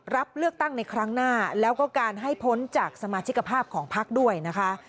รับเลือกตั้งในครั้งหน้าแล้วก็การให้พ้นจากสมาชิกภาพของพักด้วยนะคะ